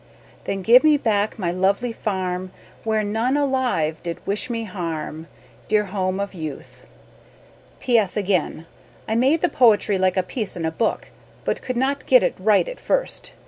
Then give me back my lonely farm Where none alive did wish me harm Dear home of youth! P. S. again. I made the poetry like a piece in a book but could not get it right at first.